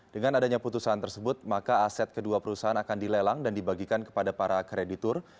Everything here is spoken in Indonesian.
dengan adanya putusan tersebut maka aset kedua perusahaan akan dilelang dan dibagikan kepada para kreditur